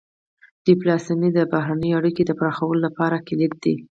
ډيپلوماسي د بهرنیو اړیکو د پراخولو لپاره کلیدي ده.